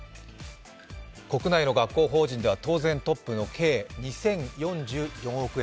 国内の学校法人では当然トップの計２０４４億円。